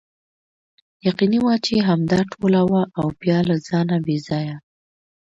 یقیني وه چې همدا ټوله وه او بیا له ځانه بې ځایه.